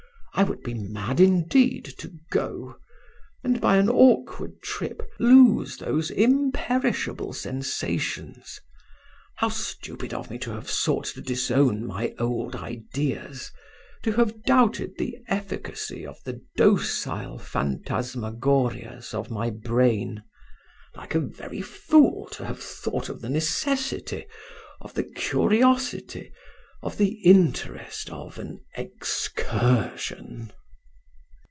I would be mad indeed to go and, by an awkward trip, lose those imperishable sensations. How stupid of me to have sought to disown my old ideas, to have doubted the efficacy of the docile phantasmagories of my brain, like a very fool to have thought of the necessity, of the curiosity, of the interest of an excursion!"